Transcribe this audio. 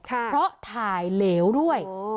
เพราะถ่ายเหลวด้วย